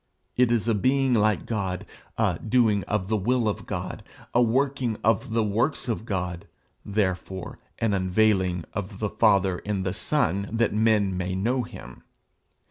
It is a being like God, a doing of the will of God, a working of the works of God, therefore an unveiling of the Father in the Son, that men may know him.